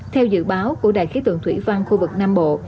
theo dự báo của đài khí tượng thủy văn khu vực nam bộ